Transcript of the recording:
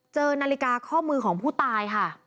เจอนาฬิกาข้อมือของผู้ตายค่ะ